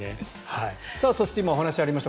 そして今お話にありました